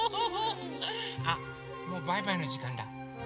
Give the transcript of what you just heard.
あっもうバイバイのじかんだ！